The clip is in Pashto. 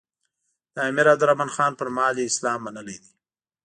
د امیر عبدالرحمان خان پر مهال یې اسلام منلی دی.